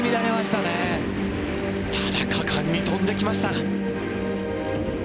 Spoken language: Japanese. ただ果敢に跳んできました。